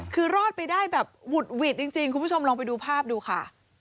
คือรอดไปได้แบบหุดหวิดจริงคุณผู้ชมลองไปดูภาพดูค่ะ